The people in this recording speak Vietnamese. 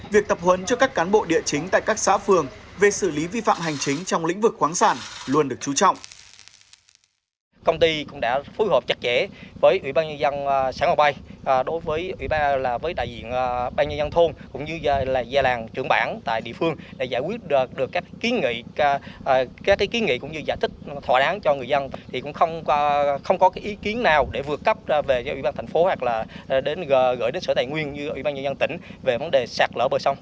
việc tập huấn cho các cán bộ địa chính tại các xã phường về xử lý vi phạm hành chính trong lĩnh vực khoáng sản luôn được chú trọng